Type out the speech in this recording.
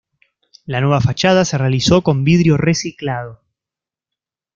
La nueva fachada se realizó con vidrio reciclado.